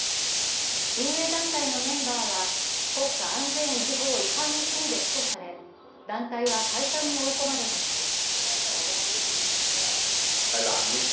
運営団体のメンバーは国家安全維持法違反の罪で起訴され、団体は解散に追い込まれたのです。